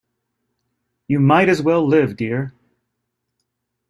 You might as well live dear.